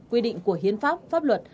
quy định của hiến pháp pháp luật